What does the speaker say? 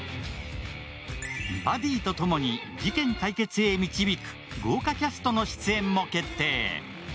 バディとともに事件解決へ導く豪華キャストの出演も決定。